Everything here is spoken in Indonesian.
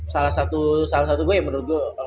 salah satu satunya menurut gue